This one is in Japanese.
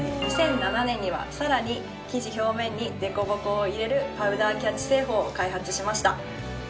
２００７年にはさらに生地表面に凸凹を入れるパウダーキャッチ製法を開発しました。